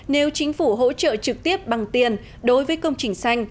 nếu chính phủ hỗ trợ trực tiếp bằng tiền đối với công trình xanh